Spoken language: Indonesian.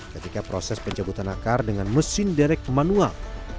kami mengambil akar kayu jati dengan mesin direct manual